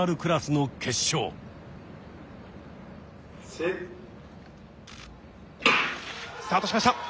スタートしました。